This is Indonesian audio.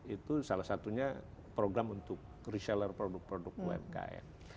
itu salah satunya program untuk reseller produk produk umkm